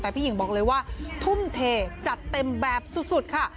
แต่พี่หญิงบอกเลยว่าทุ่มเทจัดเต็มแบบสุดค่ะ